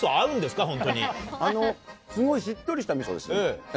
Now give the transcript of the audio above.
すごいしっとりしたみそです。